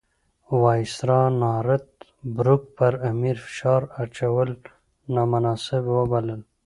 وایسرا نارت بروک پر امیر فشار اچول نامناسب وبلل.